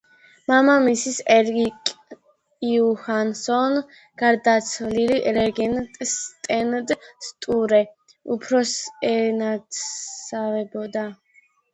მამამისი ერიკ იუჰანსონი გარდაცვლილ რეგენტს სტენ სტურე უფროსს ენათესავებოდა, რომელსაც საკუთარი შვილები არ ჰყოლია.